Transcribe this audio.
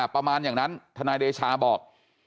ประมาณอย่างนั้นทนายเดชาบอก